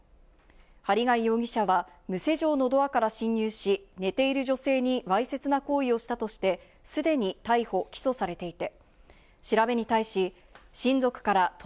針谷容疑者は無施錠のドアから侵入し、寝ている女性にわいせつな行為をしたとして、すでに逮捕・起訴さあら！あら！